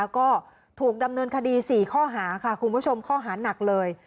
ก็ถูกดำเนินคดี๔ข้อหาค่ะคุณผู้ชมข้อหานักเลย